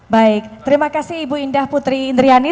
baik terima kasih ibu indah putri indriani